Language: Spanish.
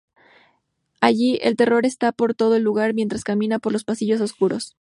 Allí, el terror está por todo el lugar mientras camina por los pasillos oscuros.